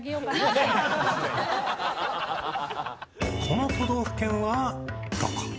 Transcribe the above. この都道府県はどこ？